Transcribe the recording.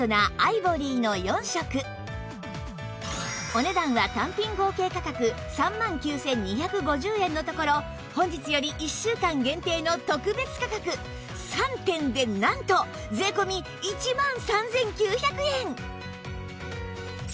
お値段は単品合計価格３万９２５０円のところ本日より１週間限定の特別価格３点でなんと税込１万３９００円